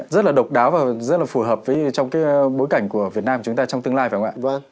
rất là độc đáo và rất là phù hợp với trong cái bối cảnh của việt nam của chúng ta trong tương lai phải không ạ